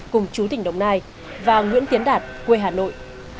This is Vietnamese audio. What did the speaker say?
cùng chú tỉnh đồng nai và nguyễn tiến đạt quê hà nội